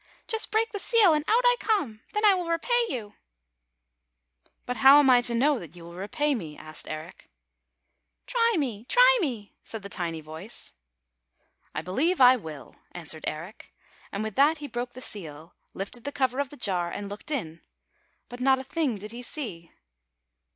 Just break the seal and out I come. Then I will repay you." [ 156 ] ERIC NO LUCK " But how am I to know that you will repay me? " asked Eric. " Try me! Try me! " said the tiny voice. " I believe I will," answered Eric, and with that he broke the seal, lifted the cover of the jar, and looked in. But not a thing did he see!